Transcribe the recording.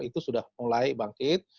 itu sudah mulai bangkit